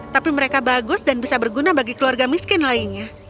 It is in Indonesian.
tapi mereka bagus dan bisa berguna bagi keluarga miskin lainnya